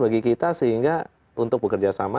bagi kita sehingga untuk bekerja sama